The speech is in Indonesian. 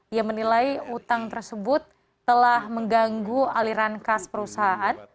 ia menilai utang tersebut telah mengganggu aliran kas perusahaan